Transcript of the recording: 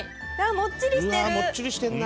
もっちりしてるな。